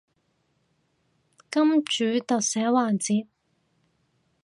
金主特寫環節